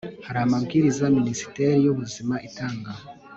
Hari amabwiriza minisiteri yubuzima itanga